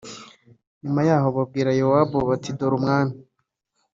nyuma yaho babwira yowabu bati dore umwami